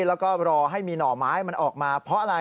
แล้วก็รอให้มีหน่อไม้มันออกมาเพราะอะไร